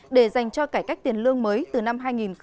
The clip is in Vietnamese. để dành cho cải cách tiền lương mới từ năm hai nghìn hai mươi một